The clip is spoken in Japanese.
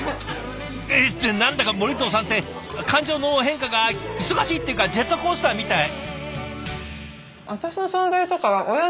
えっ何だか森藤さんって感情の変化が忙しいっていうかジェットコースターみたい。